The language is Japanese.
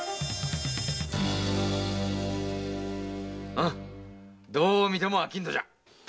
うんどう見ても商人じゃ。